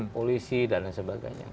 polisi dan sebagainya